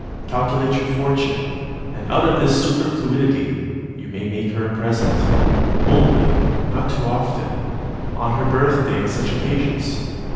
Calculate your fortune; and out of the superfluity you may make her a present, only not too often, on her birthday, and such occasions."